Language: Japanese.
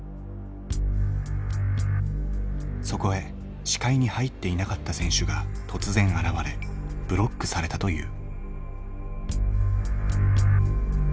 そこへ視界に入っていなかった選手が突然現れブロックされたという。